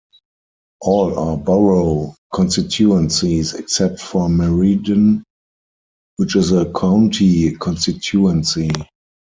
All are borough constituencies except for Meriden, which is a county constituency.